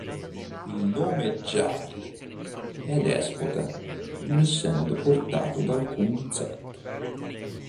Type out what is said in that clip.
Il nome Jamil è adespota, non essendo portato da alcun santo.